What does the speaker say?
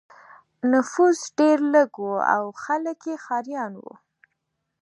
نفوس ډېر لږ و او خلک یې ښکاریان وو.